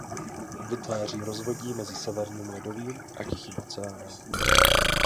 Vytváří rozvodí mezi Severním ledovým a Tichým oceánem.